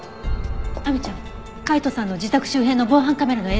亜美ちゃん海斗さんの自宅周辺の防犯カメラの映像を。